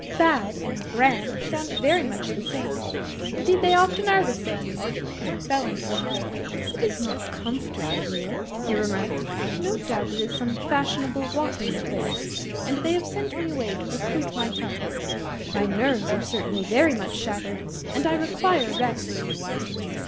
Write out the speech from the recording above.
BAD and GRAND sound very much the same, indeed they often are the same;" and he fell into the mud. "It is not comfortable here," he remarked, "but no doubt it is some fashionable watering place, and they have sent me away to recruit my health. My nerves are certainly very much shattered, and I require rest."